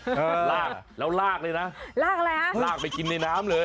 ลากแล้วลากเลยนะลากไปกินในน้ำเลย